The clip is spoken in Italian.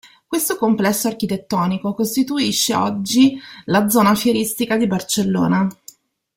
Questo complesso architettonico costituisce oggi la zona fieristica di Barcellona.